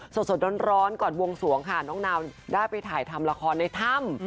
สดร้อนก่อนวงสวงค่ะน้องนาวได้ไปถ่ายทำละครในถ้ำ